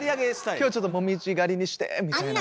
今日ちょっともみじがりにしてみたいな。